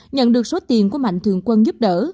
nhận được số tiền của mạnh thượng quân giúp đỡ